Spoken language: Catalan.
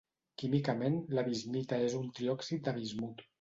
Químicament, la bismita és un triòxid de bismut: